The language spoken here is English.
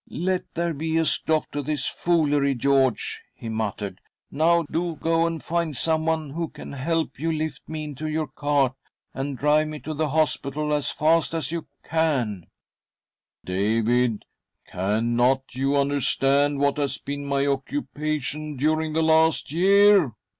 " Let there be a stop to this foolery, George," he muttered. " Now, do go and find semeone who can help you lift me into your cart, and drive me to the hospital as fast as you can.*' •■'.'.■■■! ■CM ! 52 THY SOUL SHALL BEAR WITNESS! " David, cannot you understand what has been my occupation during the last year?